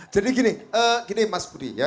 jadi gini gini mas budi ya